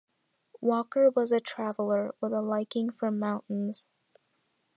Walker was a traveller with a liking for mountains.